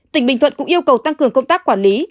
tỉnh bình thuận cũng yêu cầu tăng cường công tác quản lý